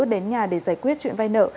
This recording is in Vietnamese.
đến nhà để giải quyết chuyện vai nợ